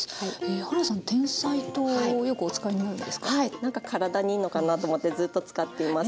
なんか体にいいのかなと思ってずっと使っています。